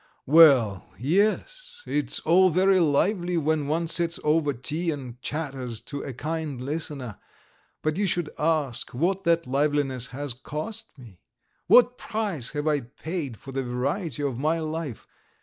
"Well, yes, it's all very lively when one sits over tea and chatters to a kind listener, but you should ask what that liveliness has cost me! What price have I paid for the variety of my life?